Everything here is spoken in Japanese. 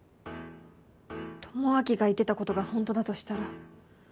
智明が言ってたことが本当だとしたら。